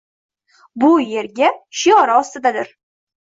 Bu yerga shiori ostidadir.